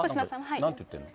なんて言ってるの？